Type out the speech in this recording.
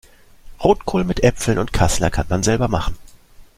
Rotkohl mit Äpfeln und Kassler kann man selber machen.